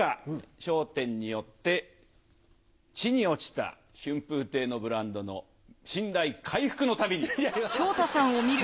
笑点によって、地に落ちた春風亭のブランドの信頼回復のために。